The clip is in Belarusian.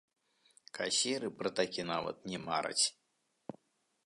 Касіры пра такі нават не мараць!